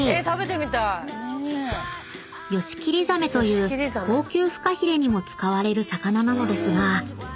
［ヨシキリザメという高級フカヒレにも使われる魚なのですが］